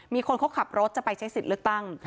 มีคนเขาขับรถจะไปใช้สิทธิ์เลือกตั้ง